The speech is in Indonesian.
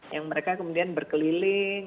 yang mereka kemudian berkeliling